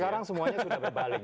sekarang semuanya sudah kebalik